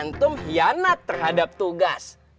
antum hianat terhadap tugas